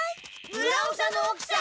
村長の奥さん！